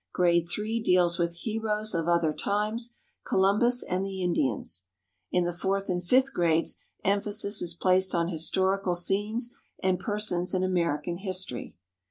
Grade three deals with Heroes of Other Times, Columbus, and the Indians. In the fourth and fifth grades emphasis is placed on Historical Scenes and Persons in American History.